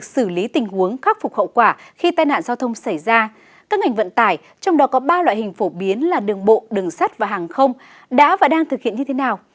các ngành vận tải trong đó có ba loại hình phổ biến là đường bộ đường sắt và hàng không đã và đang thực hiện như thế nào